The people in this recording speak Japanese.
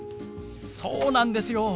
そうなんですよ。